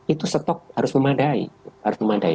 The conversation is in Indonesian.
itu stok harus memadai